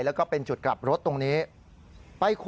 แล้วก็เป็นจุดกลับรถตรงนี้